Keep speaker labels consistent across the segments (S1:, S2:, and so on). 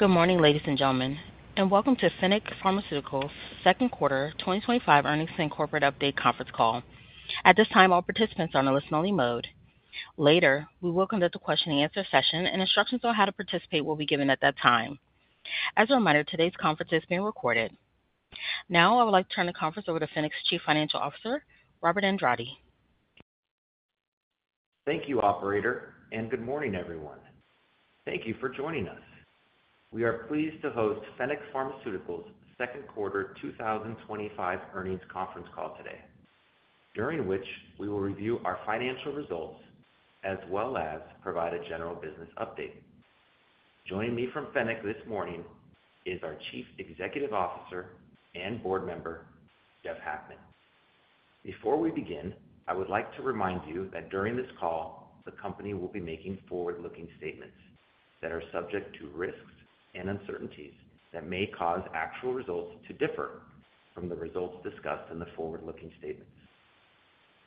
S1: Good morning, ladies and gentlemen, and welcome to Fennec Pharmaceuticals' Second Quarter 2025 Earnings and Corporate Update Conference Call. At this time, all participants are in a listen-only mode. Later, we will conduct a question-and-answer session, and instructions on how to participate will be given at that time. As a reminder, today's conference is being recorded. Now, I would like to turn the conference over to Fennec's Chief Financial Officer, Robert Andrade.
S2: Thank you, Operator, and good morning, everyone. Thank you for joining us. We are pleased to host Fennec Pharmaceuticals' Second Quarter 2025 Earnings Conference Call today, during which we will review our financial results, as well as provide a general business update. Joining me from Fennec this morning is our Chief Executive Officer and Board Member, Jeff Hackman. Before we begin, I would like to remind you that during this call, the company will be making forward-looking statements that are subject to risks and uncertainties that may cause actual results to differ from the results discussed in the forward-looking statements.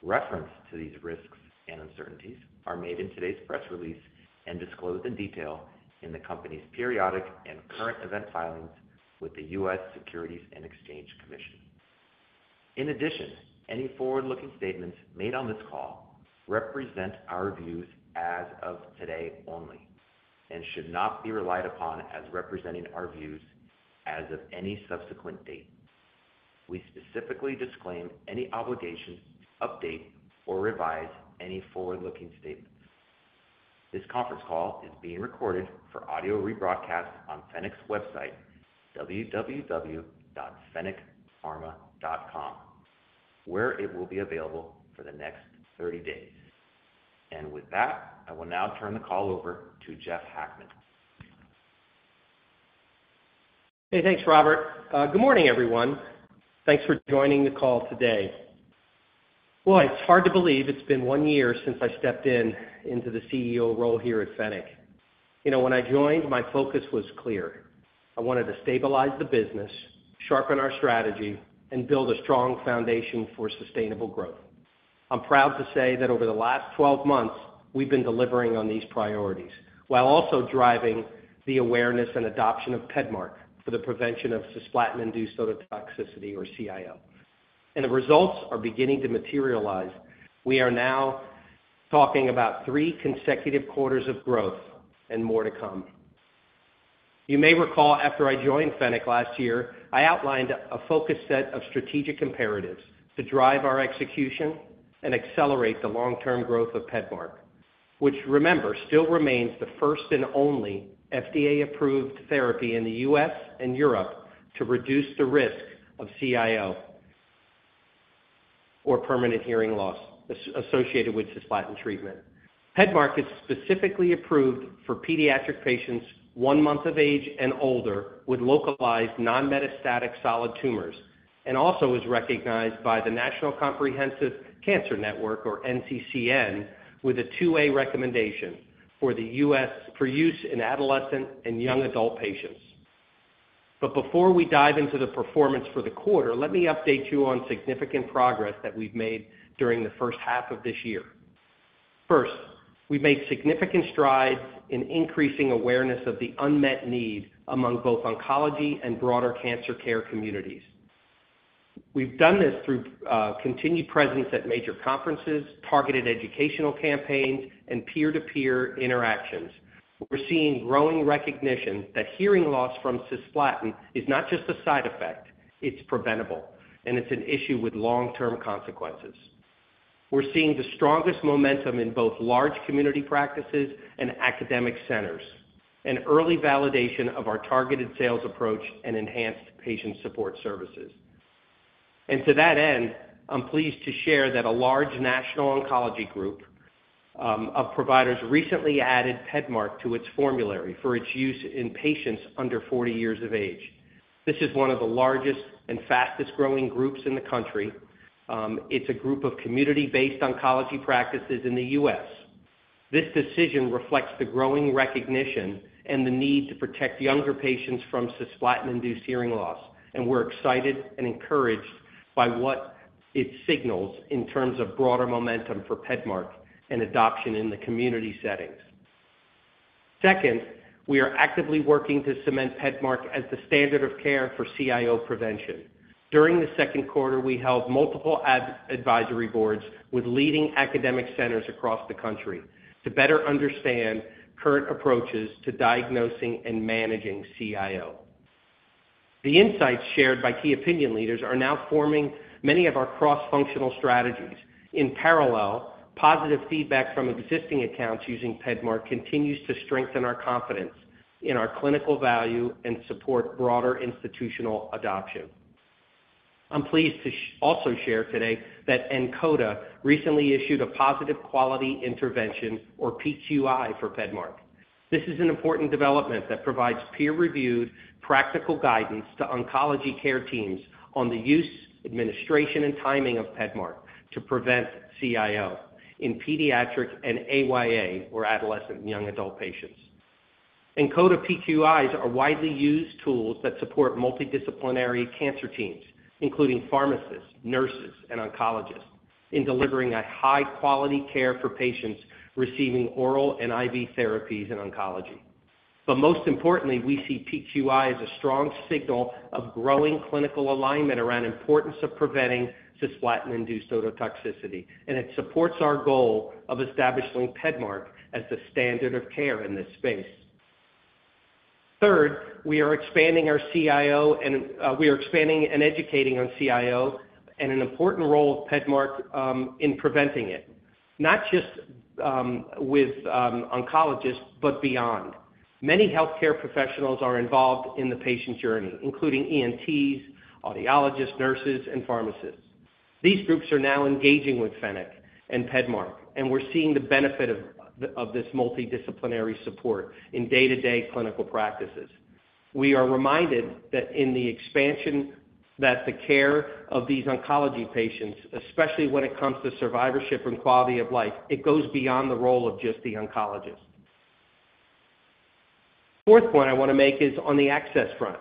S2: Reference to these risks and uncertainties are made in today's press release and disclosed in detail in the company's periodic and current event filings with the U.S. Securities and Exchange Commission.In addition, any forward-looking statements made on this call represent our views as of today only and should not be relied upon as representing our views as of any subsequent date. We specifically disclaim any obligation to update or revise any forward-looking statements. This conference call is being recorded for audio rebroadcast on Fennec's website, www.fennecpharma.com, where it will be available for the next 30 days. With that, I will now turn the call over to Jeff Hackman.
S3: Hey, thanks, Robert. Good morning, everyone. Thanks for joining the call today. It's hard to believe it's been one year since I stepped into the CEO role here at Fennec. You know, when I joined, my focus was clear. I wanted to stabilize the business, sharpen our strategy, and build a strong foundation for sustainable growth. I'm proud to say that over the last 12 months, we've been delivering on these priorities while also driving the awareness and adoption of PEDMARK for the prevention of cisplatin-induced ototoxicity, or CIO. The results are beginning to materialize. We are now talking about three consecutive quarters of growth and more to come. You may recall, after I joined Fennec last year, I outlined a focused set of strategic imperatives to drive our execution and accelerate the long-term growth of PEDMARK, which, remember, still remains the first and only FDA-approved therapy in the U.S. and Europe to reduce the risk of CIO or permanent hearing loss associated with cisplatin treatment. PEDMARK is specifically approved for pediatric patients one month of age and older with localized non-metastatic solid tumors and also is recognized by the National Comprehensive Cancer Network, or NCCN, with a two-way recommendation for the U.S. for use in adolescent and young adult patients. Before we dive into the performance for the quarter, let me update you on significant progress that we've made during the first half of this year. First, we've made significant strides in increasing awareness of the unmet need among both oncology and broader cancer care communities. We've done this through continued presence at major conferences, targeted educational campaigns, and peer-to-peer interactions. We're seeing growing recognition that hearing loss from cisplatin is not just a side effect; it's preventable, and it's an issue with long-term consequences. We're seeing the strongest momentum in both large community practices and academic centers and early validation of our targeted sales approach and enhanced patient support services. To that end, I'm pleased to share that a large national oncology group of providers recently added PEDMARK to its formulary for its use in patients under 40 years of age. This is one of the largest and fastest-growing groups in the country. It's a group of community-based oncology practices in the U.S. This decision reflects the growing recognition and the need to protect younger patients from cisplatin-induced hearing loss, and we're excited and encouraged by what it signals in terms of broader momentum for PEDMARK and adoption in the community settings. Second, we are actively working to cement PEDMARK as the standard of care for CIO prevention. During the second quarter, we held multiple advisory boards with leading academic centers across the country to better understand current approaches to diagnosing and managing CIO. The insights shared by key opinion leaders are now forming many of our cross-functional strategies. In parallel, positive feedback from existing accounts using PEDMARK continues to strengthen our confidence in our clinical value and support broader institutional adoption. I'm pleased to also share today that NCODA recently issued a Positive Quality Intervention, or PQI, for PEDMARK. This is an important development that provides peer-reviewed practical guidance to oncology care teams on the use, administration, and timing of PEDMARK to prevent CIO in pediatric and AYA, or adolescent and young adult, patients. NCODA PQIs are widely used tools that support multidisciplinary cancer teams, including pharmacists, nurses, and oncologists, in delivering high-quality care for patients receiving oral and IV therapies in oncology. Most importantly, we see PQI as a strong signal of growing clinical alignment around the importance of preventing cisplatin-induced ototoxicity, and it supports our goal of establishing PEDMARK as the standard of care in this space. Third, we are expanding and educating on CIO and the important role of PEDMARK in preventing it, not just with oncologists, but beyond. Many healthcare professionals are involved in the patient journey, including ENTs, audiologists, nurses, and pharmacists. These groups are now engaging with Fennec and PEDMARK, and we're seeing the benefit of this multidisciplinary support in day-to-day clinical practices. We are reminded in the expansion that the care of these oncology patients, especially when it comes to survivorship and quality of life, goes beyond the role of just the oncologist. Fourth point I want to make is on the access front.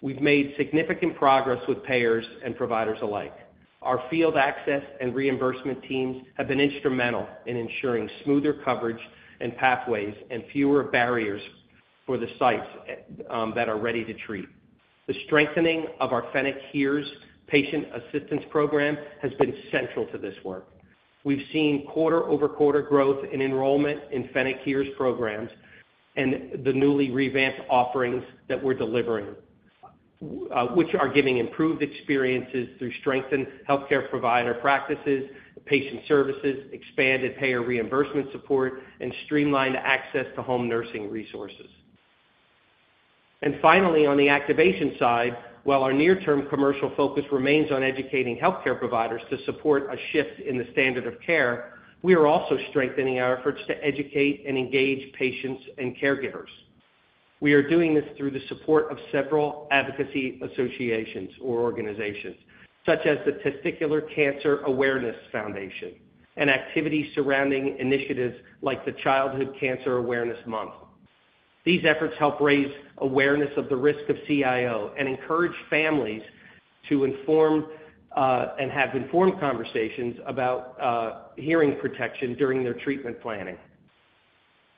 S3: We've made significant progress with payers and providers alike. Our field access and reimbursement teams have been instrumental in ensuring smoother coverage and pathways and fewer barriers for the sites that are ready to treat. The strengthening of our Fennec HEARS patient assistance program has been central to this work. We've seen quarter-over-quarter growth in enrollment in Fennec HEARS programs and the newly revamped offerings that we're delivering, which are giving improved experiences through strengthened healthcare provider practices, patient services, expanded payer reimbursement support, and streamlined access to home nursing resources. Finally, on the activation side, while our near-term commercial focus remains on educating healthcare providers to support a shift in the standard of care, we are also strengthening our efforts to educate and engage patients and caregivers. We are doing this through the support of several advocacy associations or organizations, such as the Testicular Cancer Awareness Foundation and activities surrounding initiatives like the Childhood Cancer Awareness Month. These efforts help raise awareness of the risk of CIO and encourage families to inform and have informed conversations about hearing protection during their treatment planning.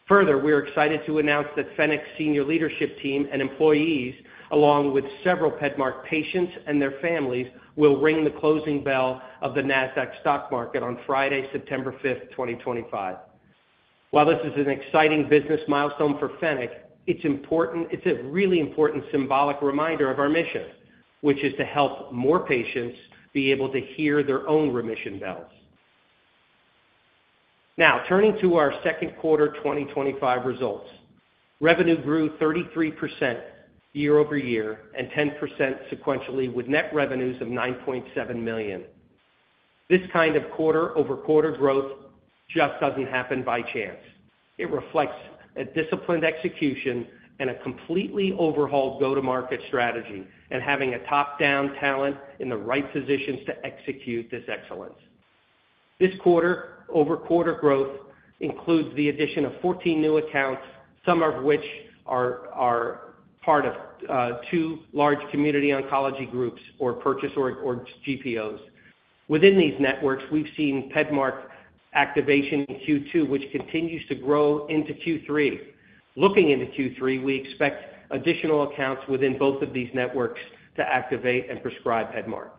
S3: Further, we are excited to announce that Fennec's senior leadership team and employees, along with several PEDMARK patients and their families, will ring the closing bell of the NASDAQ stock market on Friday, September 5, 2025. While this is an exciting business milestone for Fennec, it's important. It's a really important symbolic reminder of our mission, which is to help more patients be able to hear their own remission bells. Now, turning to our Second Quarter 2025 Results, revenue grew 33% year-over-year and 10% sequentially, with net revenues of $9.7 million. This kind of quarter-over-quarter growth just doesn't happen by chance. It reflects a disciplined execution and a completely overhauled go-to-market strategy and having a top-down talent in the right positions to execute this excellence. This quarter-over-quarter growth includes the addition of 14 new accounts, some of which are part of two large community oncology groups, or purchase or GPOs. Within these networks, we've seen PEDMARK activation in Q2, which continues to grow into Q3. Looking into Q3, we expect additional accounts within both of these networks to activate and prescribe PEDMARK.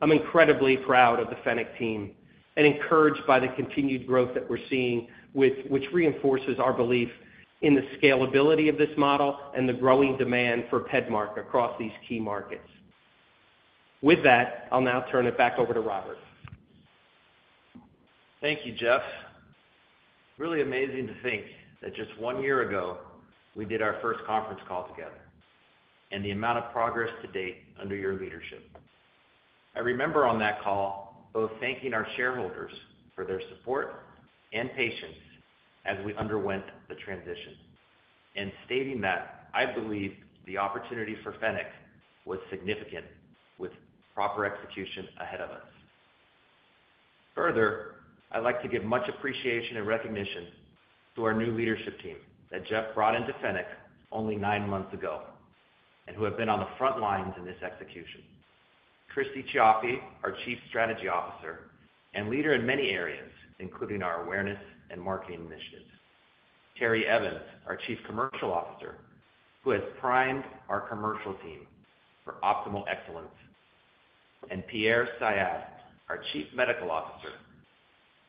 S3: I'm incredibly proud of the Fennec team and encouraged by the continued growth that we're seeing, which reinforces our belief in the scalability of this model and the growing demand for PEDMARK across these key markets. With that, I'll now turn it back over to Robert.
S2: Thank you, Jeff. Really amazing to think that just one year ago, we did our first conference call together and the amount of progress to date under your leadership. I remember on that call both thanking our shareholders for their support and patience as we underwent the transition and stating that I believe the opportunity for Fennec was significant with proper execution ahead of us. Further, I'd like to give much appreciation and recognition to our new leadership team that Jeff brought into Fennec only nine months ago and who have been on the front lines in this execution: Christy Cioppi, our Chief Strategy Officer and leader in many areas, including our awareness and marketing initiatives; Terry Evans, our Chief Commercial Officer, who has primed our commercial team for optimal excellence; and Pierre Sayad, our Chief Medical Officer,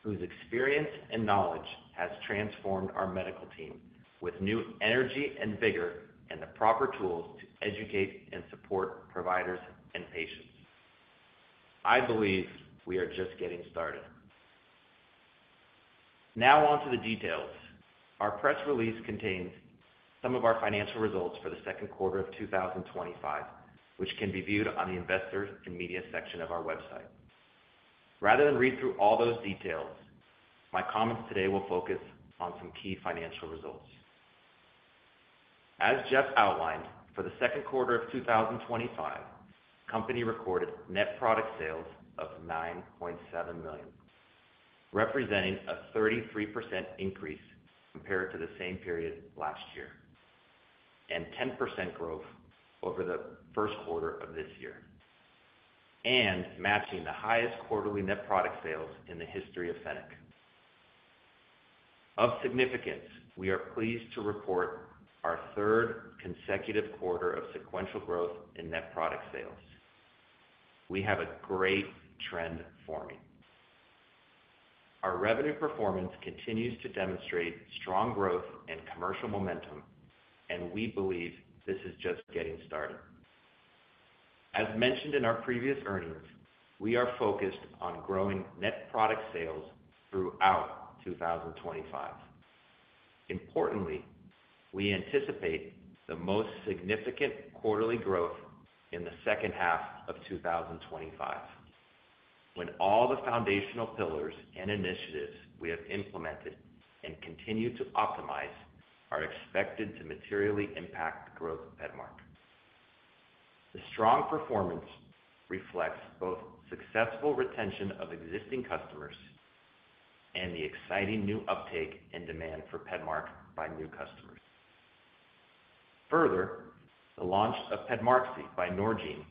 S2: whose experience and knowledge have transformed our medical team with new energy and vigor and the proper tools to educate and support providers and patients. I believe we are just getting started. Now on to the details. Our press release contains some of our financial results for the second quarter of 2025, which can be viewed on the Investors and Media section of our website. Rather than read through all those details, my comments today will focus on some key financial results. As Jeff outlined, for the second quarter of 2025, the company recorded net product sales of $9.7 million, representing a 33% increase compared to the same period last year and 10% growth over the first quarter of this year and matching the highest quarterly net product sales in the history of Fennec. Of significance, we are pleased to report our third consecutive quarter of sequential growth in net product sales. We have a great trend forming. Our revenue performance continues to demonstrate strong growth and commercial momentum, and we believe this is just getting started. As mentioned in our previous earnings, we are focused on growing net product sales throughout 2025. Importantly, we anticipate the most significant quarterly growth in the second half of 2025, when all the foundational pillars and initiatives we have implemented and continue to optimize are expected to materially impact the growth of PEDMARK. The strong performance reflects both successful retention of existing customers and the exciting new uptake and demand for PEDMARK by new customers. Further, the launch of PEDMARQSI by Norgine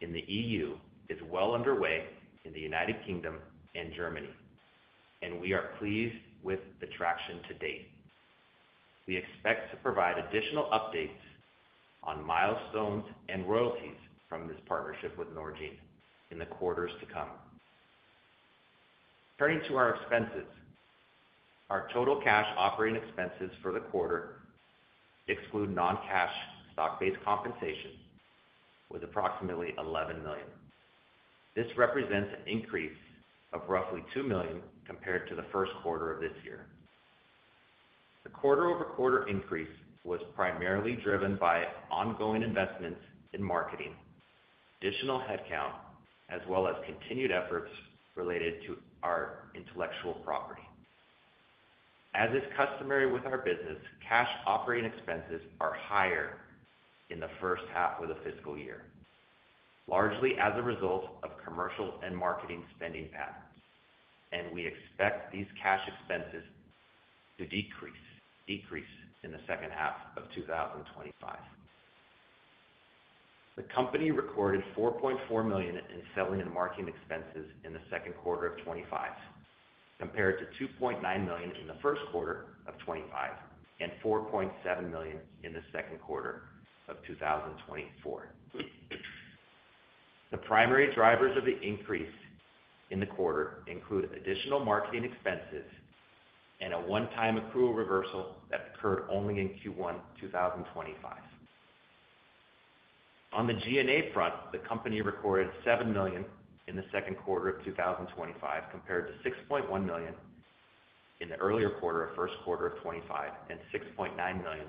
S2: in the EU is well underway in the United Kingdom and Germany, and we are pleased with the traction to date. We expect to provide additional updates on milestones and royalties from this partnership with Norgine in the quarters to come. Turning to our expenses, our total cash operating expenses for the quarter, excluding non-cash stock-based compensation, were approximately $11 million. This represents an increase of roughly $2 million compared to the first quarter of this year. The quarter-over-quarter increase was primarily driven by ongoing investments in marketing, additional headcount, as well as continued efforts related to our intellectual property. As is customary with our business, cash operating expenses are higher in the first half of the fiscal year, largely as a result of commercial and marketing spending patterns, and we expect these cash expenses to decrease in the second half of 2025. The company recorded $4.4 million in selling and marketing expenses in the second quarter of 2025, compared to $2.9 million in the first quarter of 2025 and $4.7 million in the second quarter of 2024. The primary drivers of the increase in the quarter include additional marketing expenses and a one-time accrual reversal that occurred only in Q1 2025. On the G&A front, the company recorded $7 million in the second quarter of 2025, compared to $6.1 million in the first quarter of 2025 and $6.9 million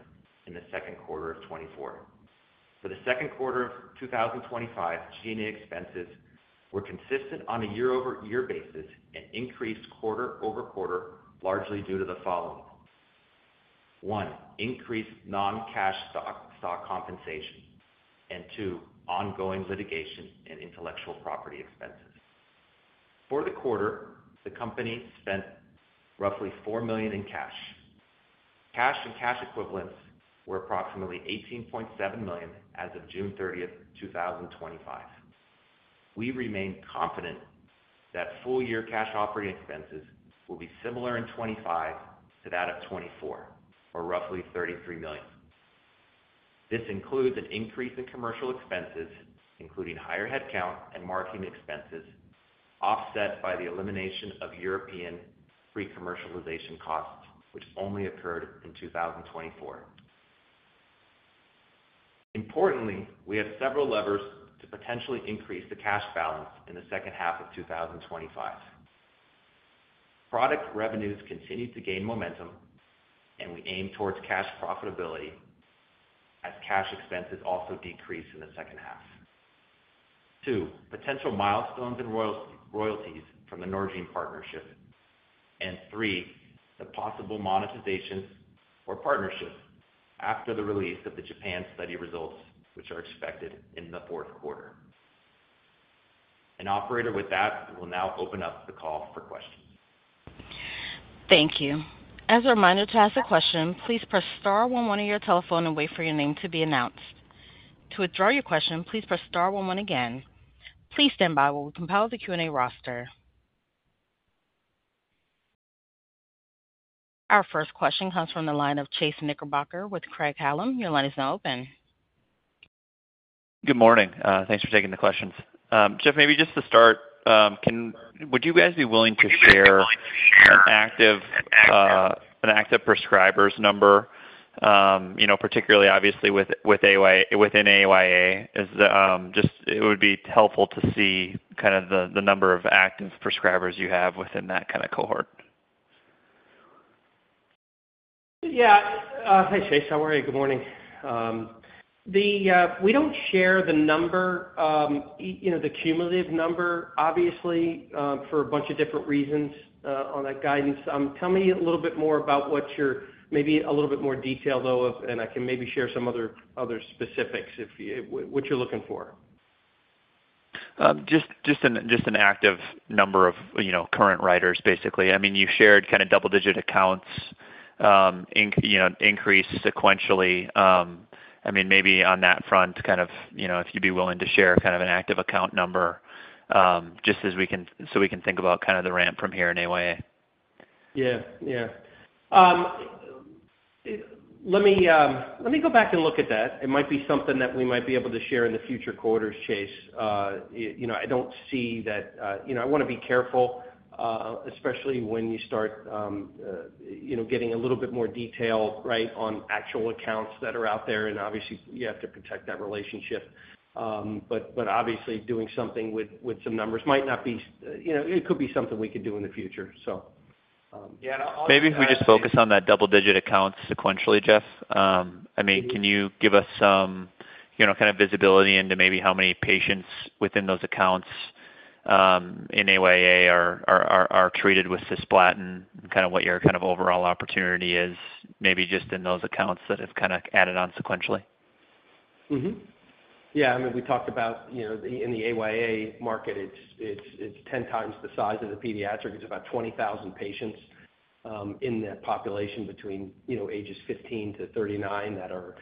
S2: in the second quarter of 2024. For the second quarter of 2025, G&A expenses were consistent on a year-over-year basis and increased quarter-over-quarter largely due to the following: one, increased non-cash stock compensation; and two, ongoing litigation and intellectual property expenses. For the quarter, the company spent roughly $4 million in cash. Cash and cash equivalents were approximately $18.7 million as of June 30, 2025. We remain confident that full-year cash operating expenses will be similar in 2025 to that of 2024, or roughly $33 million. This includes an increase in commercial expenses, including higher headcount and marketing expenses, offset by the elimination of European free commercialization costs, which only occurred in 2024. Importantly, we have several levers to potentially increase the cash balance in the second half of 2025. Product revenues continue to gain momentum, and we aim towards cash profitability as cash expenses also decrease in the second half. Two, potential milestones and royalties from the Norgine partnership, and three, the possible monetization or partnership after the release of the Japan study results, which are expected in the fourth quarter. Operator, with that, we will now open up the call for questions.
S1: Thank you. As a reminder to ask a question, please press star one one on your telephone and wait for your name to be announced. To withdraw your question, please press star one one again. Please stand by while we compile the Q&A roster. Our first question comes from the line of Chase Knickerbocker with Craig-Hallum. Your line is now open.
S4: Good morning. Thanks for taking the questions. Jeff, maybe just to start, would you guys be willing to share an active prescriber's number, particularly obviously within AYA? It would be helpful to see the number of active prescribers you have within that cohort.
S3: Yeah. Hi, Chase. How are you? Good morning. We don't share the number, you know, the cumulative number, obviously, for a bunch of different reasons on that guidance. Tell me a little bit more about what you're maybe a little bit more detailed of, and I can maybe share some other specifics if you what you're looking for.
S4: Just an active number of current writers, basically. I mean, you've shared kind of double-digit accounts increase sequentially. I mean, maybe on that front, if you'd be willing to share kind of an active account number just as we can so we can think about the ramp from here in AYA.
S3: Let me go back and look at that. It might be something that we might be able to share in future quarters, Chase. I want to be careful, especially when you start getting a little bit more detail on actual accounts that are out there. Obviously, you have to protect that relationship. Obviously, doing something with some numbers might not be, it could be something we could do in the future.
S4: Yeah, maybe if we just focus on that double-digit accounts sequentially, Jeff. Can you give us some kind of visibility into maybe how many patients within those accounts in AYA are treated with cisplatin and what your overall opportunity is, maybe just in those accounts that have added on sequentially?
S3: Yeah, I mean, we talked about, you know, in the AYA market, it's 10x the size of the pediatric. It's about 20,000 patients in that population between, you know, ages 15-39 that are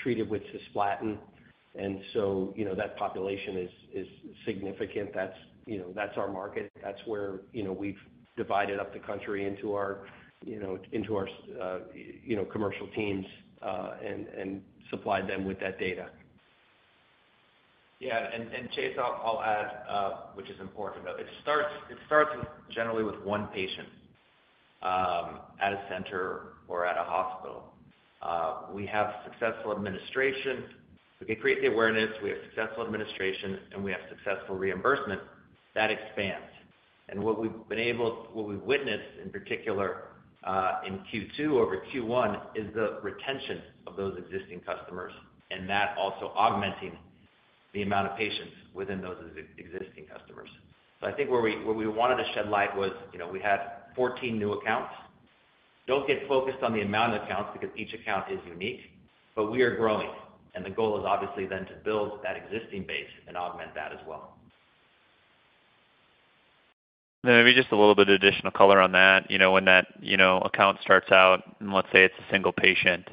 S3: treated with cisplatin. That population is significant. That's, you know, that's our market. That's where, you know, we've divided up the country into our, you know, commercial teams and supplied them with that data.
S2: Yeah, and Chase, I'll add, which is important to know, it starts generally with one patient at a center or at a hospital. We have successful administration. We can create the awareness. We have successful administration, and we have successful reimbursement that expands. What we've witnessed in particular in Q2 over Q1 is the retention of those existing customers and that also augmenting the amount of patients within those existing customers. I think where we wanted to shed light was, you know, we had 14 new accounts. Don't get focused on the amount of accounts because each account is unique, but we are growing. The goal is obviously then to build that existing base and augment that as well.
S4: Maybe just a little bit of additional color on that. You know, when that account starts out and let's say it's a single patient,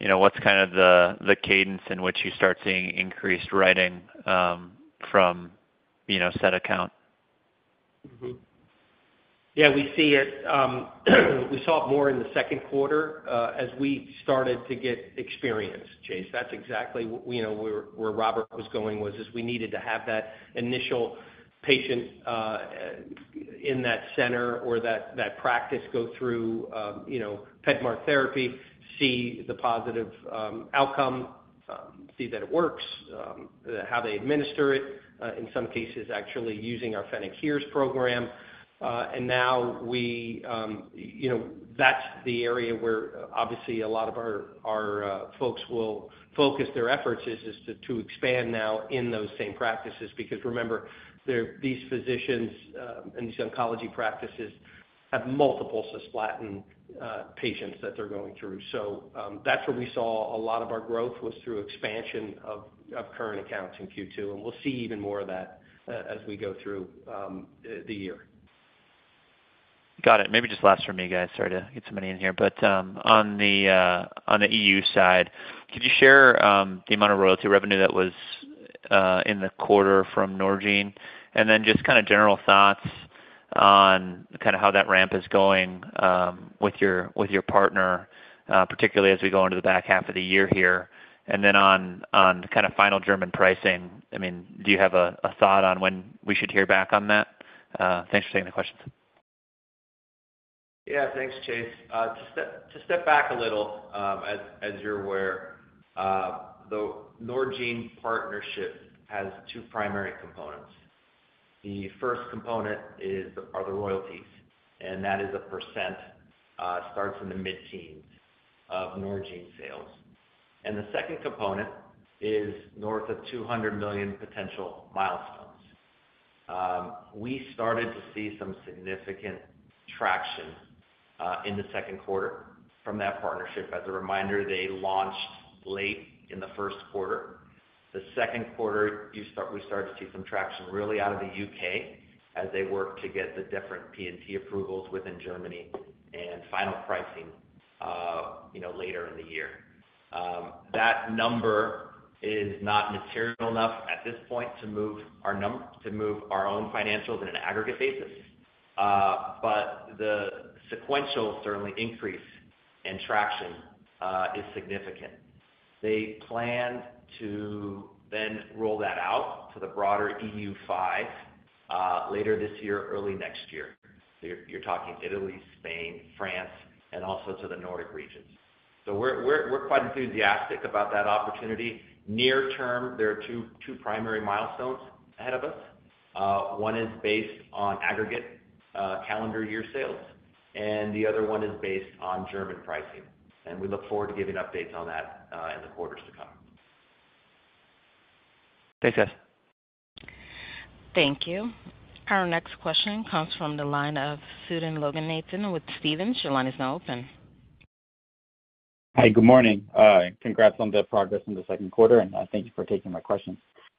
S4: what's kind of the cadence in which you start seeing increased writing from said account?
S3: Yeah, we see it. We saw it more in the second quarter as we started to get experience, Chase. That's exactly where, you know, where Robert was going is we needed to have that initial patient in that center or that practice go through PEDMARK therapy, see the positive outcome, see that it works, how they administer it, in some cases actually using our Fennec HEARS program. Now, that's the area where obviously a lot of our folks will focus their efforts to expand in those same practices because remember, these physicians and these oncology practices have multiple cisplatin patients that they're going through. That's where we saw a lot of our growth was through expansion of current accounts in Q2. We'll see even more of that as we go through the year.
S4: Got it. Maybe just last for me, guys, sorry to get so many in here. On the EU side, could you share the amount of royalty revenue that was in the quarter from Norgine? Just kind of general thoughts on how that ramp is going with your partner, particularly as we go into the back half of the year here. On kind of final German pricing, do you have a thought on when we should hear back on that? Thanks for taking the questions.
S2: Yeah, thanks, Chase. To step back a little, as you're aware, the Norgine partnership has two primary components. The first component are the royalties, and that is a percent. It starts in the mid-teens of Norgine sales. The second component is north of $200 million potential milestones. We started to see some significant traction in the second quarter from that partnership. As a reminder, they launched late in the first quarter. In the second quarter, we started to see some traction really out of the UK as they work to get the different P&T approvals within Germany and final pricing later in the year. That number is not material enough at this point to move our own financials on an aggregate basis, but the sequential increase in traction is significant. They plan to roll that out to the broader EU five later this year, early next year. You're talking Italy, Spain, France, and also to the Nordics. We're quite enthusiastic about that opportunity. Near term, there are two primary milestones ahead of us. One is based on aggregate calendar year sales, and the other one is based on German pricing. We look forward to giving updates on that in the quarters to come.
S4: Thanks, guys.
S1: Thank you. Our next question comes from the line of Sudan Loganathan with Stephens. Your line is now open.
S5: Hi, good morning. Congrats on the progress in the second quarter, and thank you for taking my question.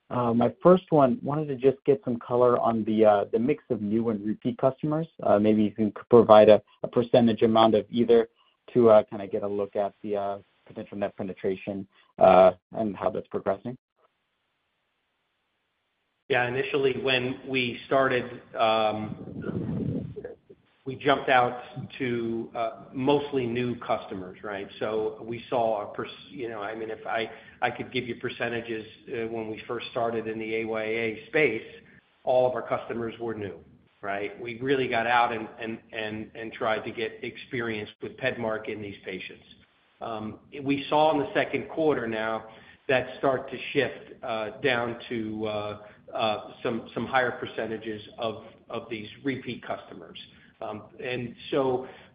S5: My first one, I wanted to just get some color on the mix of new and repeat customers. Maybe you can provide a % amount of either to kind of get a look at the potential net penetration and how that's progressing.
S3: Yeah, initially, when we started, we jumped out to mostly new customers, right? We saw, you know, I mean, if I could give you percentages, when we first started in the AYA space, all of our customers were new, right? We really got out and tried to get experience with PEDMARK in these patients. We saw in the second quarter now that start to shift down to some higher percentages of these repeat customers.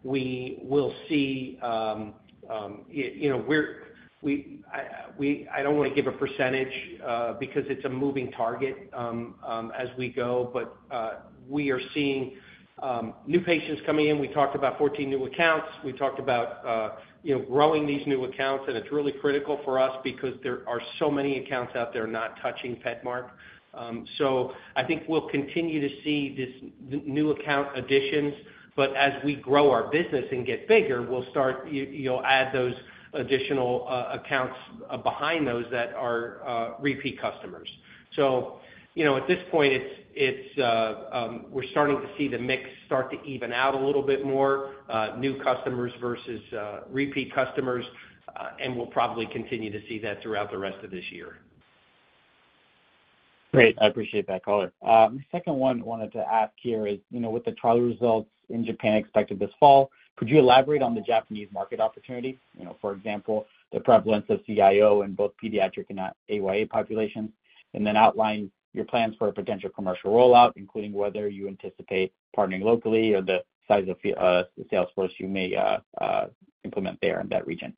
S3: We will see, you know, I don't want to give a percentage because it's a moving target as we go, but we are seeing new patients coming in. We talked about 14 new accounts. We talked about, you know, growing these new accounts, and it's really critical for us because there are so many accounts out there not touching PEDMARK. I think we'll continue to see these new account additions, but as we grow our business and get bigger, we'll start to add those additional accounts behind those that are repeat customers. At this point, we're starting to see the mix start to even out a little bit more, new customers versus repeat customers, and we'll probably continue to see that throughout the rest of this year.
S5: Great. I appreciate that color. The second one I wanted to ask here is, you know, with the trial results in Japan expected this fall, could you elaborate on the Japanese market opportunity? You know, for example, the prevalence of CIO in both pediatric and AYA populations, and then outline your plans for a potential commercial rollout, including whether you anticipate partnering locally or the size of the salesforce you may implement there in that region.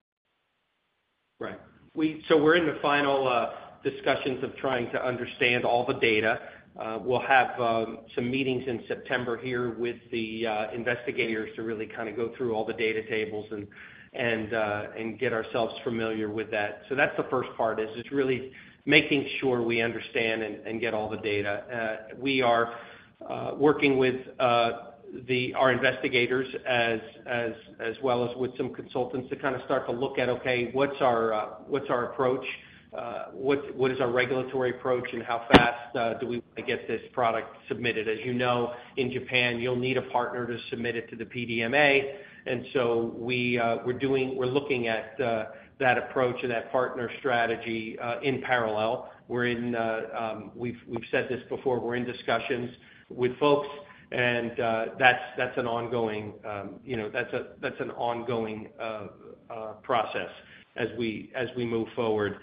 S3: Right. We're in the final discussions of trying to understand all the data. We'll have some meetings in September with the investigators to really go through all the data tables and get ourselves familiar with that. The first part is just really making sure we understand and get all the data. We are working with our investigators as well as with some consultants to start to look at, okay, what's our approach? What is our regulatory approach and how fast do we get this product submitted? As you know, in Japan, you'll need a partner to submit it to the PDMA. We're looking at that approach and that partner strategy in parallel. We've said this before. We're in discussions with folks, and that's an ongoing process as we move forward.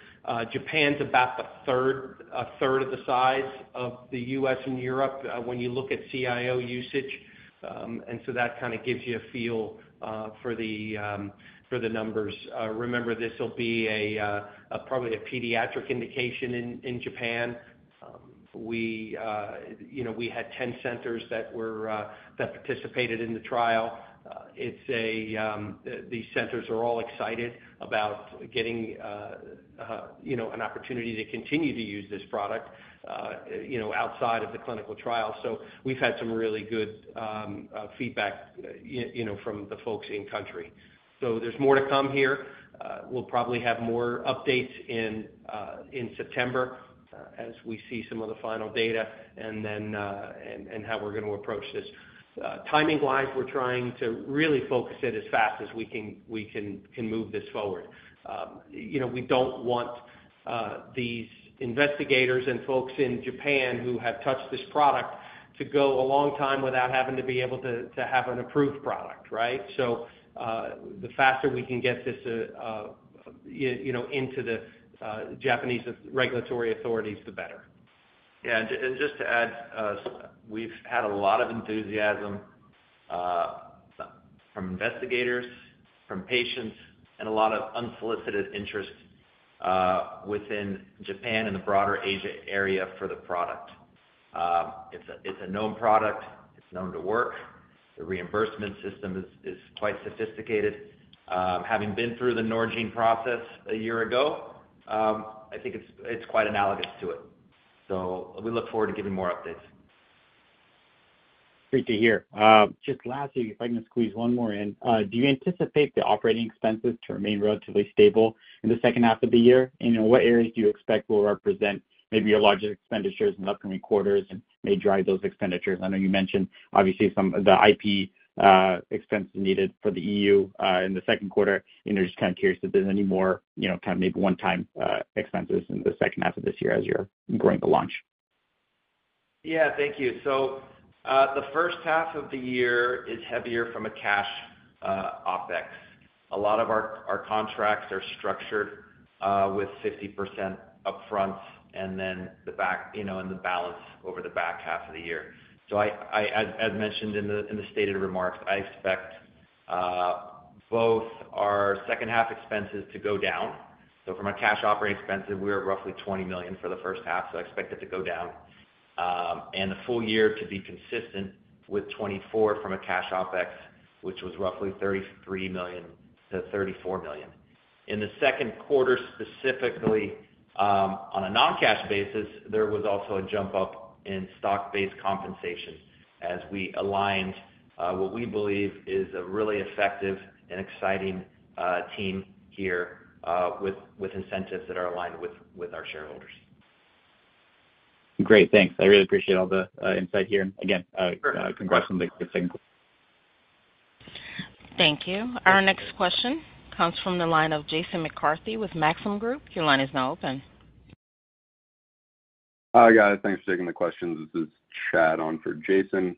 S3: Japan's about a third of the size of the US and Europe when you look at CIO usage. That gives you a feel for the numbers. Remember, this will be probably a pediatric indication in Japan. We had 10 centers that participated in the trial. These centers are all excited about getting an opportunity to continue to use this product outside of the clinical trial. We've had some really good feedback from the folks in-country. There's more to come here. We'll probably have more updates in September as we see some of the final data and how we're going to approach this. Timing-wise, we're trying to really focus it as fast as we can move this forward. We don't want these investigators and folks in Japan who have touched this product to go a long time without having to be able to have an approved product, right? The faster we can get this into the Japanese regulatory authorities, the better.
S2: Yeah, and just to add, we've had a lot of enthusiasm from investigators, from patients, and a lot of unsolicited interest within Japan and the broader Asia area for the product. It's a known product. It's known to work. The reimbursement system is quite sophisticated. Having been through the Norgine process a year ago, I think it's quite analogous to it. We look forward to giving more updates.
S5: Great to hear. Just lastly, if I can squeeze one more in, do you anticipate the operating expenses to remain relatively stable in the second half of the year? In what areas do you expect will represent maybe your larger expenditures in the upcoming quarters and may drive those expenditures? I know you mentioned, obviously, some of the IP expenses needed for the EU in the second quarter. I'm just kind of curious if there's any more maybe one-time expenses in the second half of this year as you're going to launch.
S3: Yeah, thank you. The first half of the year is heavier from a cash OpEx. A lot of our contracts are structured with 50% upfront and then the balance over the back half of the year. As mentioned in the stated remarks, I expect both our second half expenses to go down. From a cash operating expense, we are roughly $20 million for the first half. I expect it to go down, and the full year to be consistent with $24 million from a cash OpEx, which was roughly $33 million-$34 million. In the second quarter, specifically on a non-cash basis, there was also a jump up in stock-based compensation as we aligned what we believe is a really effective and exciting team here with incentives that are aligned with our shareholders.
S5: Great, thanks. I really appreciate all the insight here. Again, congrats on the good things.
S1: Thank you. Our next question comes from the line of Jason McCarthy with Maxim Group. Your line is now open.
S6: Hi, guys. Thanks for taking the questions. This is Chad on for Jason.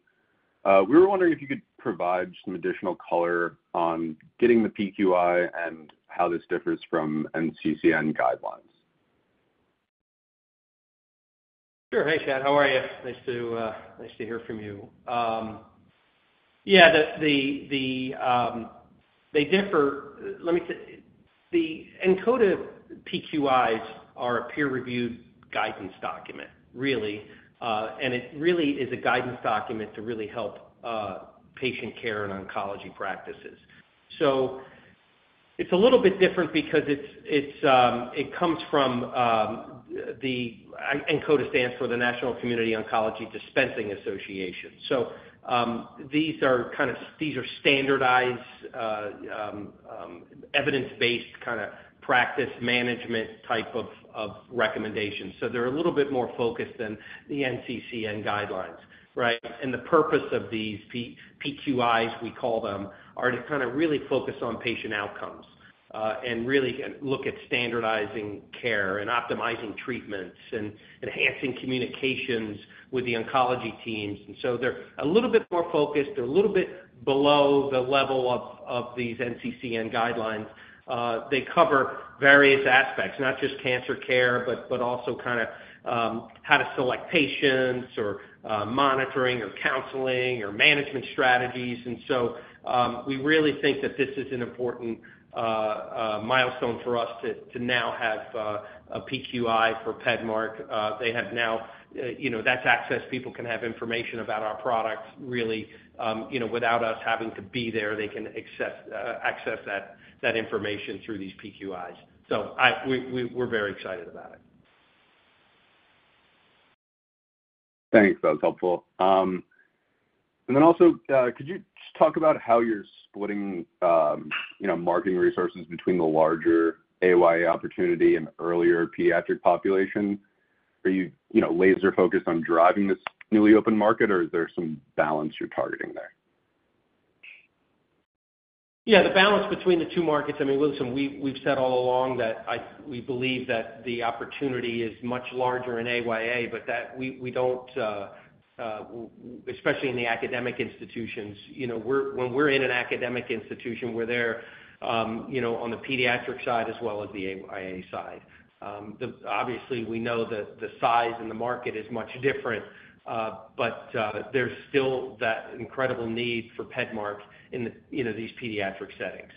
S6: We were wondering if you could provide some additional color on getting the PQI and how this differs from NCCN guidelines.
S3: Sure. Hey, Chad. How are you? Nice to hear from you. Yeah, they differ. Let me say, the NCODA PQIs are a peer-reviewed guidance document, really. It really is a guidance document to really help patient care and oncology practices. It's a little bit different because it comes from NCODA, which stands for the National Community Oncology Dispensing Association. These are kind of standardized, evidence-based, practice management type of recommendations. They're a little bit more focused than the NCCN guidelines, right? The purpose of these PQIs, we call them, is to kind of really focus on patient outcomes and really look at standardizing care, optimizing treatments, and enhancing communications with the oncology teams. They're a little bit more focused. They're a little bit below the level of these NCCN guidelines. They cover various aspects, not just cancer care, but also kind of how to select patients or monitoring or counseling or management strategies. We really think that this is an important milestone for us to now have a PQI for PEDMARK. That's access. People can have information about our products, really, without us having to be there. They can access that information through these PQIs. We're very excited about it.
S6: Thanks. That was helpful. Could you just talk about how you're splitting, you know, marketing resources between the larger AYA opportunity and earlier pediatric population? Are you, you know, laser-focused on driving this newly open market, or is there some balance you're targeting there?
S3: Yeah, the balance between the two markets. I mean, listen, we've said all along that we believe that the opportunity is much larger in AYA, but that we don't, especially in the academic institutions, you know, when we're in an academic institution, we're there, you know, on the pediatric side as well as the AYA side. Obviously, we know that the size and the market is much different, but there's still that incredible need for PEDMARK in these pediatric settings.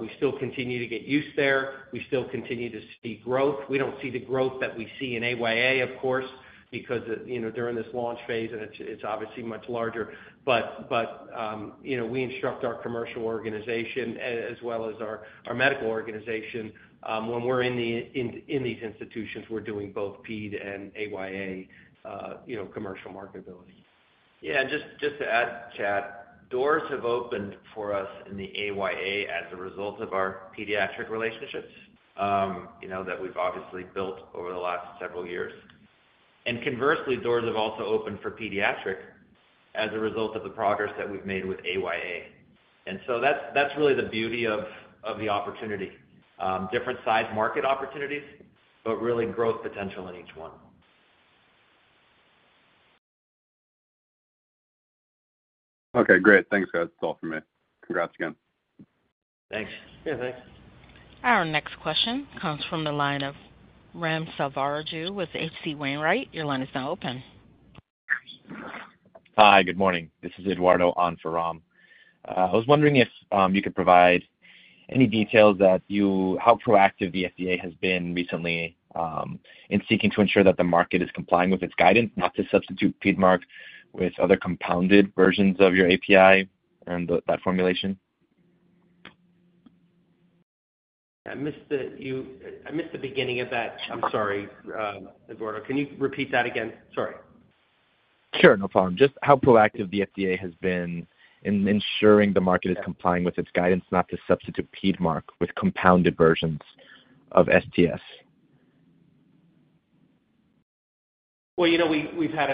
S3: We still continue to get use there. We still continue to see growth. We don't see the growth that we see in AYA, of course, because, you know, during this launch phase, it's obviously much larger. We instruct our commercial organization as well as our medical organization. When we're in these institutions, we're doing both PED and AYA, you know, commercial marketability.
S2: Yeah, just to add, Chad, doors have opened for us in the AYA as a result of our pediatric relationships that we've obviously built over the last several years. Conversely, doors have also opened for pediatric as a result of the progress that we've made with AYA. That's really the beauty of the opportunity. Different size market opportunities, but really growth potential in each one.
S6: Okay, great. Thanks, guys. That's all from me. Congrats again.
S3: Thanks.
S6: Yeah, thanks.
S1: Our next question comes from the line of Raghuram Selvaraju with H.C. Wainwright. Your line is now open.
S7: Hi, good morning. This is Eduardo on for Rom. I was wondering if you could provide any details that you, how proactive the FDA has been recently in seeking to ensure that the market is complying with its guidance not to substitute PEDMARK with other compounded versions of your API and that formulation?
S3: I'm sorry, Eduardo. Can you repeat that again? Sorry.
S7: Sure, no problem. Just how proactive the FDA has been in ensuring the market is complying with its guidance not to substitute PEDMARK with compounded versions of STS.
S3: We've had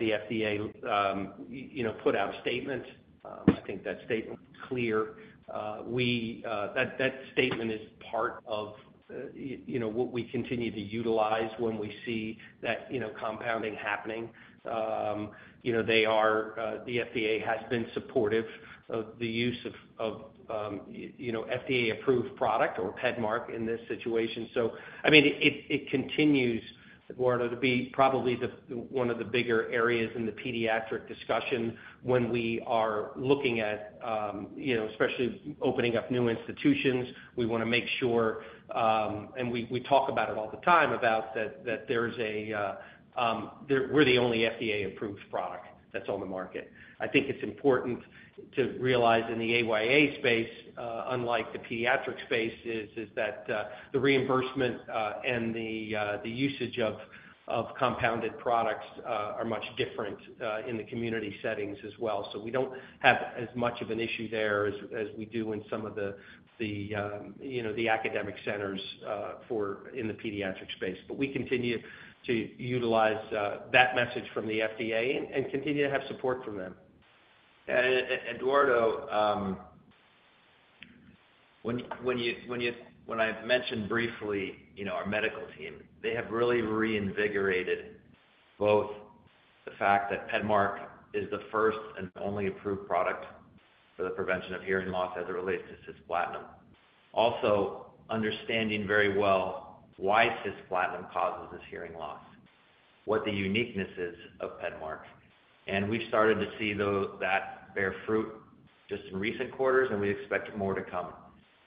S3: the FDA put out a statement. I think that statement is clear. That statement is part of what we continue to utilize when we see that compounding happening. The FDA has been supportive of the use of FDA-approved product or PEDMARK in this situation. It continues, Eduardo, to be probably one of the bigger areas in the pediatric discussion when we are looking at especially opening up new institutions. We want to make sure, and we talk about it all the time, that we're the only FDA-approved product that's on the market. I think it's important to realize in the AYA space, unlike the pediatric space, that the reimbursement and the usage of compounded products are much different in the community settings as well. We don't have as much of an issue there as we do in some of the academic centers in the pediatric space. We continue to utilize that message from the FDA and continue to have support from them.
S2: Eduardo, when I mentioned briefly, you know, our medical team, they have really reinvigorated both the fact that PEDMARK is the first and only approved product for the prevention of hearing loss as it relates to cisplatin. Also, understanding very well why cisplatin causes this hearing loss, what the uniqueness is of PEDMARK. We've started to see, though, that bear fruit just in recent quarters, and we expect more to come.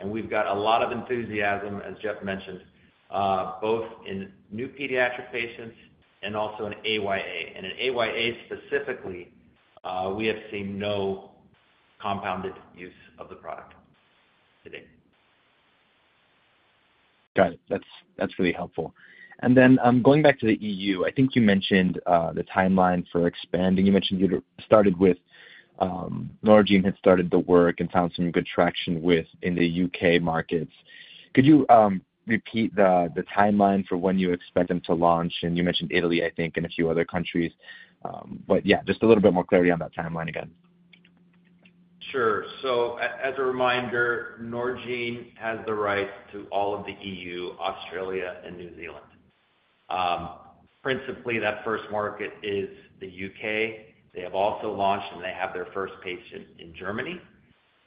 S2: We've got a lot of enthusiasm, as Jeff mentioned, both in new pediatric patients and also in AYA. In AYA specifically, we have seen no compounded use of the product.
S7: Got it. That's really helpful. Going back to the EU, I think you mentioned the timeline for expanding. You mentioned you'd started with Norgine, had started the work, and found some good traction in the UK markets. Could you repeat the timeline for when you expect them to launch? You mentioned Italy, I think, and a few other countries. Just a little bit more clarity on that timeline again.
S2: Sure. As a reminder, Norgine has the rights to all of the EU, Australia, and New Zealand. Principally, that first market is the UK. They have also launched, and they have their first patient in Germany.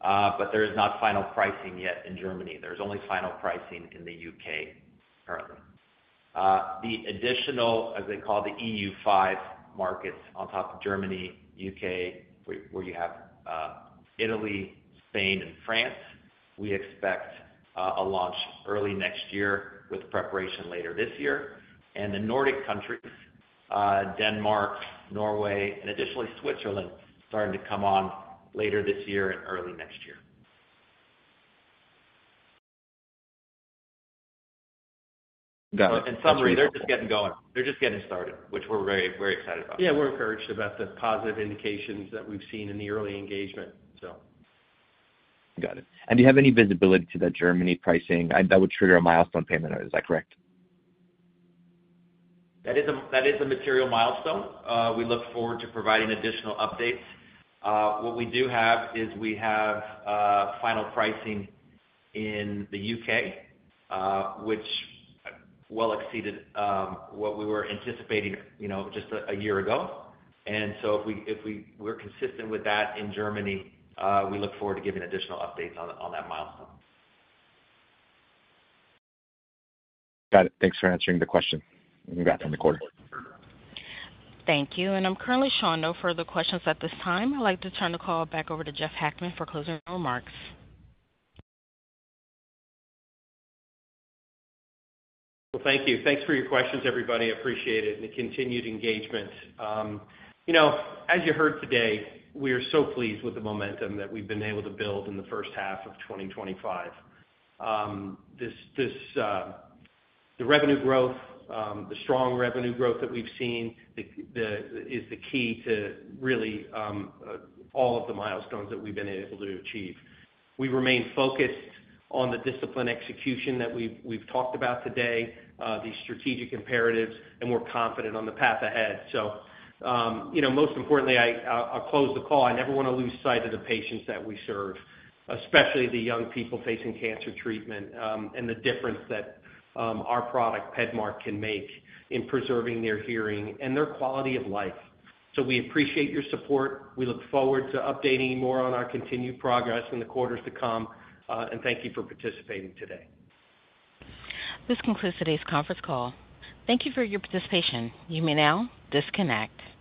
S2: There is not final pricing yet in Germany. There's only final pricing in the UK currently. The additional, as they call the EU5 markets on top of Germany and the UK, where you have Italy, Spain, and France, we expect a launch early next year with preparation later this year. The Nordic countries, Denmark, Norway, and additionally Switzerland, are starting to come on later this year and early next year.
S7: Got it.
S2: In summary, they're just getting going. They're just getting started, which we're very, very excited about.
S3: Yeah, we're encouraged about the positive indications that we've seen in the early engagement.
S7: Got it. Do you have any visibility to that Germany pricing? That would trigger a milestone payment, is that correct?
S2: That is a material milestone. We look forward to providing additional updates. What we do have is we have final pricing in the UK, which exceeded what we were anticipating just a year ago. If we're consistent with that in Germany, we look forward to giving additional updates on that milestone.
S7: Got it. Thanks for answering the question. We'll move on from the quarter.
S1: Thank you. I'm currently showing no further questions at this time. I'd like to turn the call back over to Jeff Hackman for closing remarks.
S3: Thank you. Thanks for your questions, everybody. I appreciate it and the continued engagement. As you heard today, we are so pleased with the momentum that we've been able to build in the first half of 2025. The revenue growth, the strong revenue growth that we've seen, is the key to really all of the milestones that we've been able to achieve. We remain focused on the discipline execution that we've talked about today, these strategic imperatives, and we're confident on the path ahead. Most importantly, I'll close the call. I never want to lose sight of the patients that we serve, especially the young people facing cancer treatment and the difference that our product, PEDMARK, can make in preserving their hearing and their quality of life. We appreciate your support. We look forward to updating you more on our continued progress in the quarters to come. Thank you for participating today.
S1: This concludes today's conference call. Thank you for your participation. You may now disconnect.